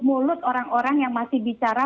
mulut orang orang yang masih bicara